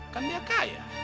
kan dia kaya